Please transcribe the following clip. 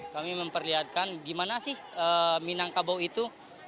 kami memperlihatkan gimana sih minangkabau itu